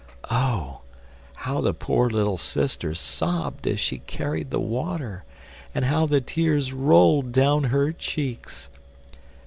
Oh! how the poor little sister sobbed as she carried the water, and how the tears rolled down her cheeks!